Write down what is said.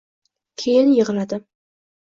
Keyin yig'ladim